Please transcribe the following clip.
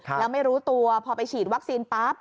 แล้วไม่รู้ตัวพอไปฉีดวัคซีนปั๊บ